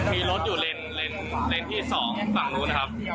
มีรถอยู่เลนส์ที่๒ฝั่งนู้นนะครับ